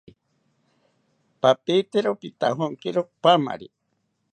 Papitero pitajonkiro paamari